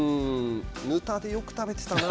ぬたでよく食べてたな。